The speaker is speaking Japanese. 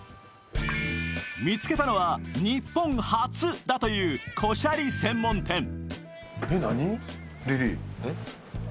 見つけたのは、日本初だというコシャリ専門店。